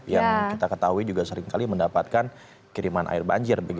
yang kita ketahui juga seringkali mendapatkan kiriman air banjir